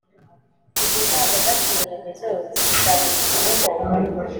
izi ndangagaciro remezo zishamikiyeho